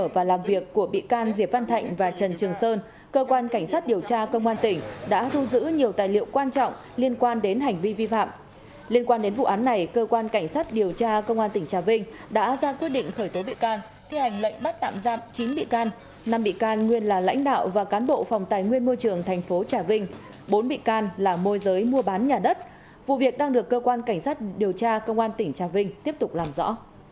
vụ việc đang được cơ quan cảnh sát điều tra công an tỉnh trà vinh tiếp tục làm rõ